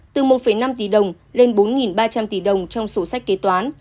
từ một năm tỷ đồng lên bốn ba trăm linh tỷ đồng trong sổ sách kế toán